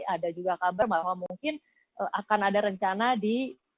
ada juga kabar bahwa mungkin akan ada rencana di